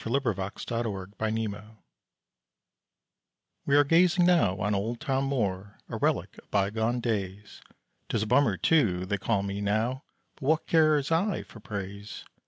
THE DAYS OF FORTY NINE We are gazing now on old Tom Moore, A relic of bygone days; 'Tis a bummer, too, they call me now, But what cares I for praise?